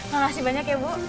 makasih banyak ya bu